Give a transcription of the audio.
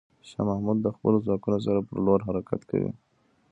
شاه محمود د خپلو ځواکونو سره پر لور حرکت کوي.